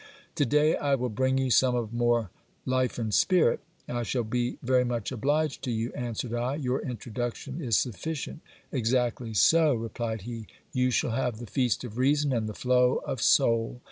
To day I will bring you some of more life and spirit. I shall be very much obliged to you, answered I ; your introduction is sufficient. Exactly so, replied he. You shall have the feast of reason and the flow of soul.